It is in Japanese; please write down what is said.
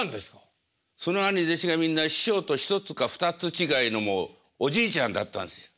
その兄弟子がみんな師匠と１つか２つ違いのもうおじいちゃんだったんです。